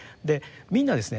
みんなですね